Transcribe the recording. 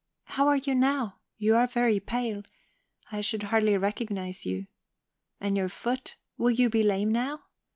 How are you now? You are very pale: I should hardly recognize you. And your foot will you be lame now?